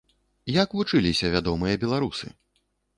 Як вучыліся вядомыя беларусы?